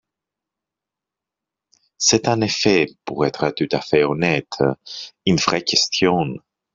C’est en effet, pour être tout à fait honnête, une vraie question.